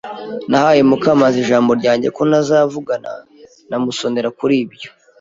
Nahaye Mukamanzi ijambo ryanjye ko ntazavugana na Musonera kuri ibyo.